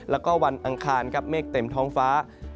แล้วก็วันอังคารครับเมฆเต็มท้องฟ้า